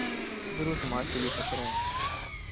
تو پھر وہ سماج کے لیے خطرہ ہے۔